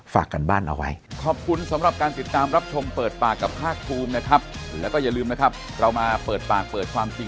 ฝากกันบ้านเอาไว้